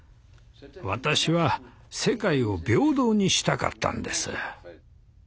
私は世界を平等にしたかったんです。